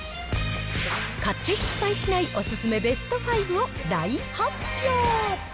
買って失敗しないお勧めベスト５を大発表。